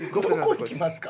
行きますか？